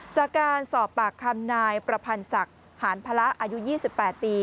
จากการสอบปากคำนายประพันธ์ศักดิ์หานพละอายุ๒๘ปี